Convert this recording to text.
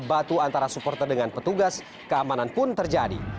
batu antara supporter dengan petugas keamanan pun terjadi